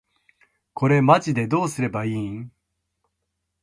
これマジでどうすれば良いん？